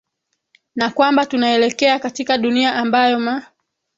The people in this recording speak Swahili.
na kwamba tunaelekea katika dunia ambayo ma